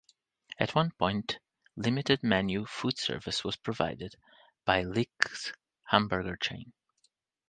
At one point limited menu food service was provided by Lick's hamburger chain.